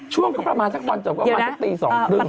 ช่วงประมาณสักวันจบประมาณสักตีสองครึ่ง